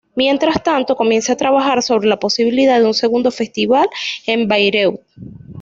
Mientras tanto, comienza a trabajar sobre la posibilidad de un segundo festival en Bayreuth.